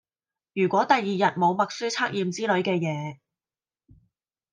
如果第二日冇默書測驗之類嘅野